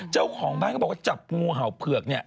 เจ้าของบ้านก็บอกว่าจับงูเห่าเผือกเนี่ย